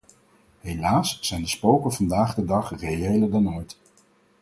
Helaas zijn die spoken vandaag de dag reëler dan ooit.